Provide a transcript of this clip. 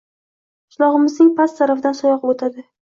Qishlog`imizning past tarafidan soy oqib o`tadi